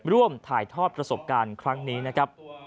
ร่วมถ่ายทอดประสบการณ์ครั้งนี้นะครับ